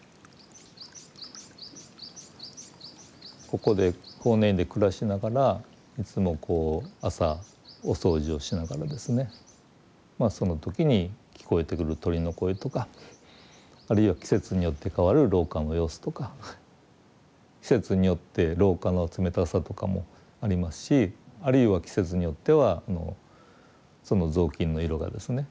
ここで法然院で暮らしながらいつもこう朝お掃除をしながらですねその時に聞こえてくる鳥の声とかあるいは季節によって変わる廊下の様子とか季節によって廊下の冷たさとかもありますしあるいは季節によってはその雑巾の色がですね